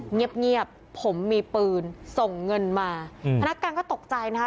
เงียบเงียบผมมีปืนส่งเงินมาพนักงานก็ตกใจนะคะ